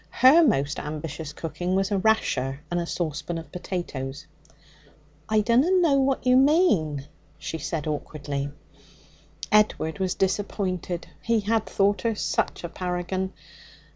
Her most ambitious cooking was a rasher and a saucepan of potatoes. 'I dunna know what you mean,' she said awkwardly. Edward was disappointed. He had thought her such a paragon.